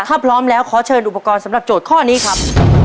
ถ้าพร้อมแล้วขอเชิญอุปกรณ์สำหรับโจทย์ข้อนี้ครับ